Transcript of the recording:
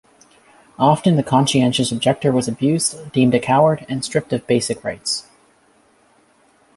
Often the conscientious objector was abused, deemed a coward, and stripped of basic rights.